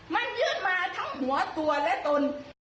มันยื่นมาทั้งหัวตัวและตน